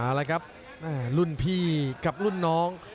เอาละครับรุ่นพี่กับรุ่นน้อง